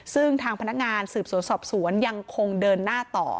ซึ่งทางพนักงานสืบสวนสอบสวนยังคงเดินหน้าต่อ